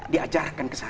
diajarkan ke sana